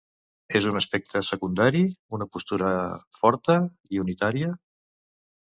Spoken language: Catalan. És un aspecte secundari una postura forta i unitària?